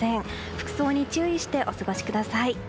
服装に注意してお過ごしください。